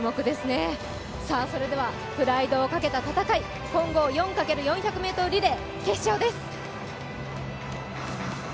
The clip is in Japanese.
それではプライドをかけた戦い、混合４×４００ｍリレー決勝です。